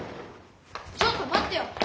ちょっとまってよ！